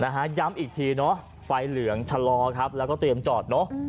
ย้ำอีกทีเนอะไฟเหลืองชะลอครับแล้วก็เตรียมจอดเนอะ